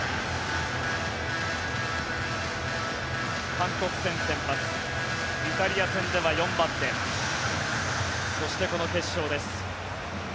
韓国戦先発イタリア戦では４番手そして、この決勝です。